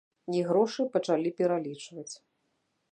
І грошы пачалі пералічваць.